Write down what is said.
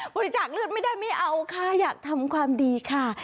บริจาคเลือดไม่ได้ไม่เอาค่ะอยากทำความดีค่ะ